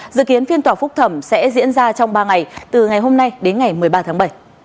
dự kiến phiên tòa phúc thẩm sẽ diễn ra trong ba ngày từ ngày hôm nay đến ngày một mươi ba tháng bảy